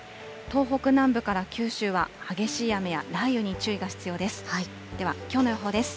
東北南部から九州は激しい雨や雷雨に注意が必要です。